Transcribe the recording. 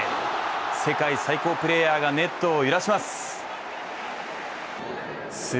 世界最高プレーヤーがネットを揺らします。